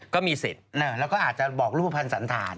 ก็มีสิทธิ์แล้วก็อาจจะบอกรูปภัณฑ์สันธาร